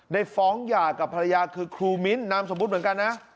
ได้ฟ้องหย่ากับภรรยาคือครูมิ้นนามสมมุติเหมือนกันนะ